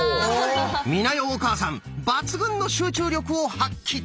美奈代お母さん抜群の集中力を発揮！